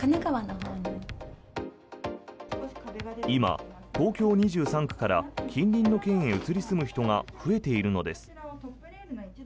今、東京２３区から近隣の県へ移り住む人が増えているのです。